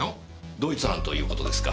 同一犯という事ですか？